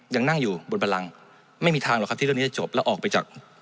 ยังนั่งอยู่บนบันลังไม่มีทางหรอกครับที่เรื่องนี้จะจบแล้วออกไปจาก